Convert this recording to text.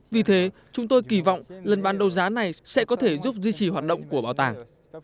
vì thế chúng tôi kỳ vọng lần bán đấu giá này sẽ có thể giúp duy trì hoạt động của bảo tàng